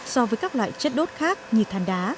so với các loại chất đốt khác như than đá